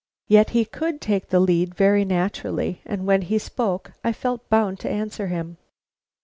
Yet he could take the lead very naturally, and when he spoke, I felt bound to answer him.